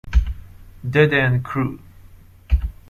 Dead End Crew